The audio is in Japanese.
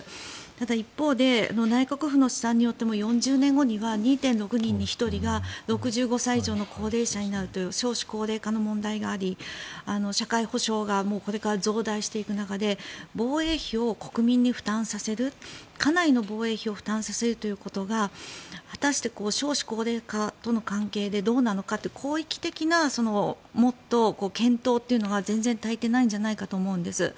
ただ一方で内閣府の試算によっても４０年後には２．６人に１人が６５歳以上の高齢者になるという少子高齢化の問題があり社会保障がこれから増大していく中で防衛費を国民に負担させるかなりの防衛費を負担させるということが果たして少子高齢化との関係でどうなのかという広域的な検討というのが全然足りていないんじゃないかと思うんです。